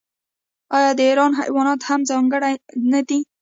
آیا د ایران حیوانات هم ځانګړي نه دي؟